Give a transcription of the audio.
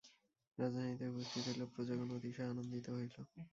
রাজধানীতে উপস্থিত হইলে প্রজাগণ অতিশয় আনন্দিত হইল।